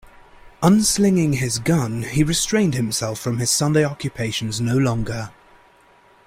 Unslinging his gun, he restrained himself from his Sunday occupations no longer.